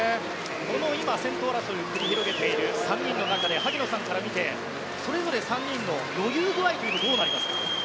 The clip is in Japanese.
この今先頭争いを繰り広げている３人の中で萩野さんから見てそれぞれ３人の余裕具合はどうですか。